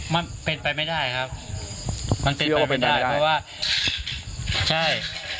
มันเป็นไปไม่ได้ครับมันเป็นตัวเป็นได้เพราะว่าใช่